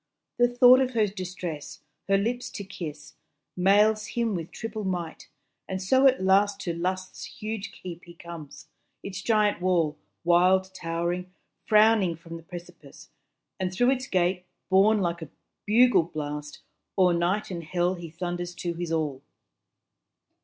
The thought of her distress, her lips to kiss, Mails him with triple might; and so at last To Lust's huge keep he comes; its giant wall, Wild towering, frowning from the precipice; And through its gate, borne like a bugle blast, O'er night and hell he thunders to his all.